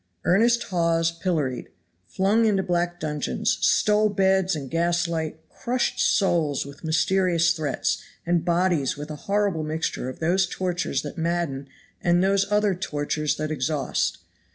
Earnest Hawes pilloried, flung into black dungeons, stole beds and gas light, crushed souls with mysterious threats, and bodies with a horrible mixture of those tortures that madden and those other tortures that exhaust.